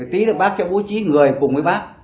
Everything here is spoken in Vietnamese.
tí là bác cho bố trí người cùng với bác